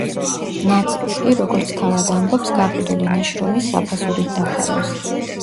ნაწილს კი, როგორც თავად ამბობს, გაყიდული ნაშრომის საფასურით დაფარავს.